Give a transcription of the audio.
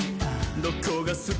どこがすき？」